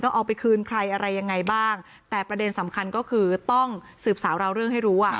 เอาไปคืนใครอะไรยังไงบ้างแต่ประเด็นสำคัญก็คือต้องสืบสาวราวเรื่องให้รู้อ่ะ